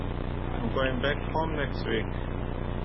I’m going back home next week